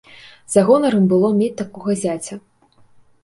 За гонар ім было мець такога зяця.